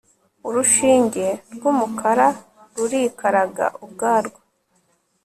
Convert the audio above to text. urushinge rw'umukara rurikaraga ubwarwo